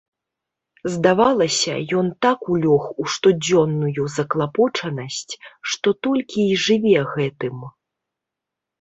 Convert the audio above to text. Здавалася, ён так улёг у штодзённую заклапочанасць, што толькі і жыве гэтым.